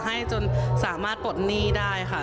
ให้จนสามารถปลดหนี้ได้ค่ะ